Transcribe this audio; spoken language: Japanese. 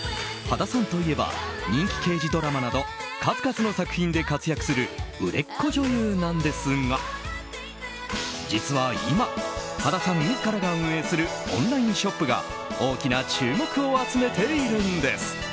羽田さんといえば人気刑事ドラマなど数々の作品で活躍する売れっ子女優なんですが実は今、羽田さん自らが運営するオンラインショップが大きな注目を集めているんです。